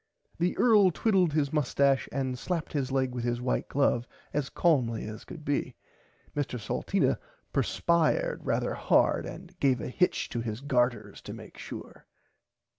The earl twiddled his mustache and slapped his leg with his white glove as calmly as could be. Mr Salteena purspired rarther hard and gave a hitch to his garters to make sure.